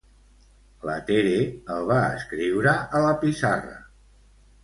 La Tere el va escriure a la pissarra.